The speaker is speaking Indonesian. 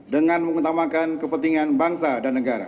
dengan mengutamakan kepentingan bangsa dan negara